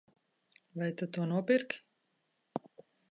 Vai tu to nopirki?